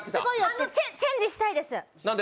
あの、チェンジしたいです！